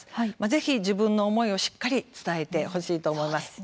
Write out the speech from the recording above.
ぜひ、自分の思いをしっかり伝えてほしいと思います。